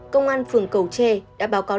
công an phường cầu tre đã báo cáo